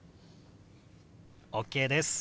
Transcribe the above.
ＯＫです。